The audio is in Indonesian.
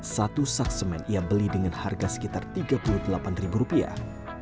satu sak semen ia beli dengan harga sekitar tiga puluh delapan ribu rupiah